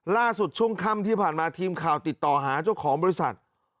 ช่วงค่ำที่ผ่านมาทีมข่าวติดต่อหาเจ้าของบริษัท